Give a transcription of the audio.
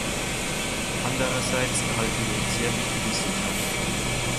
Andererseits erhalten wir ein sehr wichtiges Signal.